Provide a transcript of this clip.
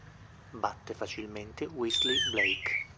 Batte facilmente Wesley Blake.